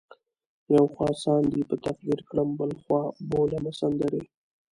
یو خوا ساندې په تقدیر کړم بل خوا بولمه سندرې